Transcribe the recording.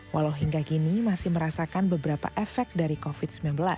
walau hingga kini masih merasakan beberapa efek dari covid sembilan belas